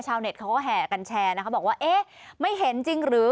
เน็ตเขาก็แห่กันแชร์นะเขาบอกว่าเอ๊ะไม่เห็นจริงหรือ